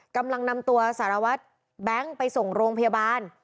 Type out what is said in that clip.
กำลังนำตัวสารวัตรแบงค์ไปส่งโรงพยาบาล